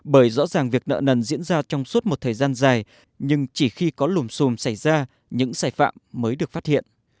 bởi rõ ràng việc nợ nần diễn ra trong suốt một thời gian dài nhưng chỉ khi có lùm xùm xảy ra những sai phạm mới đến